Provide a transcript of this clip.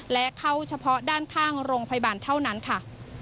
และเข้าเฉพาะด้านข้างโรงพยาบาลเท่านั้นค่ะ